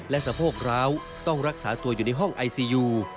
และสะโพกร้าวต้องรักษาตัวอยู่ในห้องไอซียู